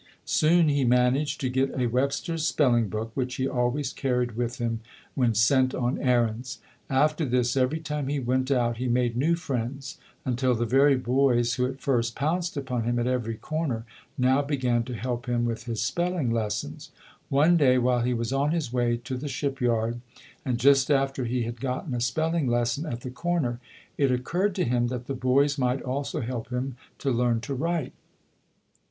Soon he managed to get a Webster's spelling book, which he always carried with him when sent on errands. After this, every time he went out, he made new friends until the very boys who at first pounced upon him at every corner, now be gan to help him with his spelling lessons. One day while he was on his way to the shipyard, and just after he had gotten a spelling lesson at the corner, it occurred to him that the boys might also help him to learn to write.